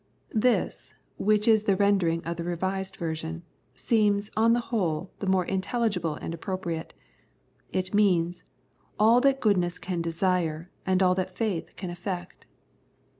This, which is the rendering of the R.V., seems, on the whole, the more intelligible and appropriate. It means, " all that goodness can desire, and all that faith can effect."